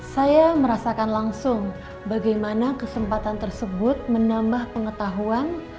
saya merasakan langsung bagaimana kesempatan tersebut menambah pengetahuan